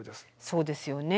そうですよね。